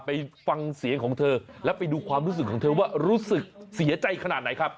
ไปฟังเสียงของเธอแล้วไปดูความรู้สึกของเธอว่ารู้สึกเสียใจขนาดไหนครับ